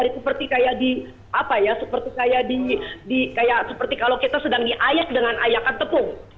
seperti kalau kita sedang diayak dengan ayakan tepung